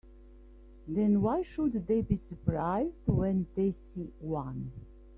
Then why should they be surprised when they see one?